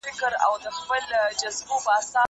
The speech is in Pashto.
زه پرون کالي ومينځل!؟